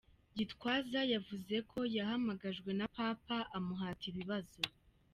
Gitwaza yavuze ko yahamagajwe na Papa amuhata ibibazo .